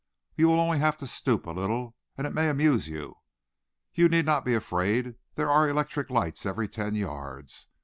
You will only have to stoop a little, and it may amuse you. You need not be afraid. There are electric lights every ten yards.